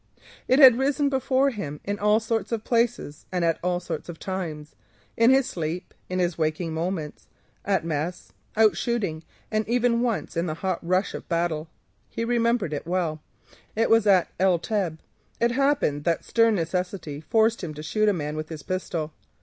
It had risen before him in all sorts of places and at all sorts of times; in his sleep, in his waking moments, at mess, out shooting, and even once in the hot rush of battle. He remembered it well—it was at El Teb. It happened that stern necessity forced him to shoot a man with his pistol.